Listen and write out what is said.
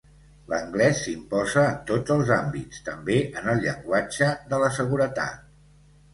L'anglès s'imposa en tots els àmbits, també en el llenguatge de la seguretat.